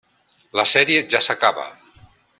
La sèrie ja s'acaba.